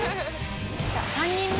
３人目。